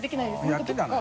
やってたの？